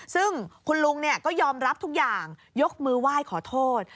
ซึ่งคุณลุงก็ยอมรับทุกอย่างยกมือไหว้ขอโทษ